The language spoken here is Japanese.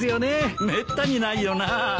めったにないよな。